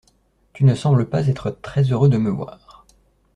Tu ne sembles pas être très heureux de me voir.